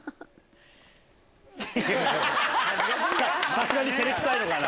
さすがに照れくさいのかな？